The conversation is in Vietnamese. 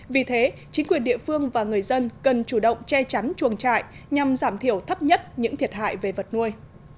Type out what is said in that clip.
vì thế chính quyền địa phương và người dân cần chủ động che chắn chuồng trại nhằm giảm thiểu thấp nhất những thiệt hại về vật nuôi